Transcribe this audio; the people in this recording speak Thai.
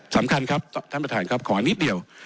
สำคัญครับท่านประธานครับขอนิดเดียว